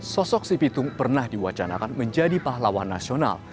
sosok si pitung pernah diwacanakan menjadi pahlawan nasional